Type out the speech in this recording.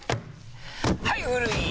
はい古い！